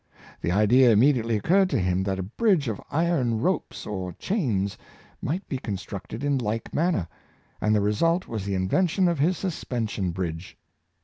The idea immediately occurred to him that a bridge of iron ropes or chains might be constructed in like manner, and the result was the invention of his Suspension Bridge.